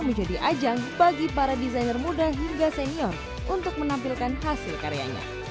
menjadi ajang bagi para desainer muda hingga senior untuk menampilkan hasil karyanya